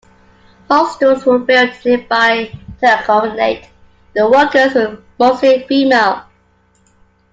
Hostels were built nearby to accommodate the workers who were mostly female.